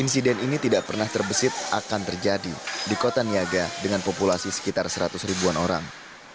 insiden ini tidak pernah terbesit akan terjadi di kota niaga dengan populasi sekitar seratus ribuan orang